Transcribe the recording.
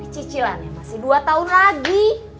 cicilannya masih dua tahun lagi